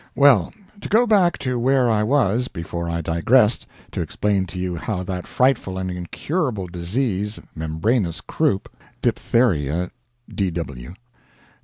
] Well, to go back to where I was before I digressed to explain to you how that frightful and incurable disease, membranous croup,[Diphtheria D.W.